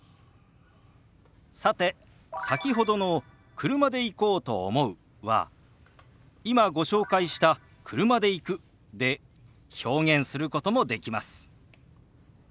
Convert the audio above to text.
さて先ほどの「車で行こうと思う」は今ご紹介した「車で行く」で表現することもできます。